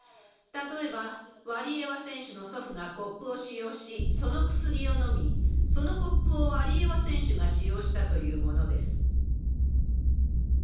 例えば、ワリエワ選手の祖父がコップを使用し、その薬を飲み、そのコップをワリエワ選手が使用したというものです。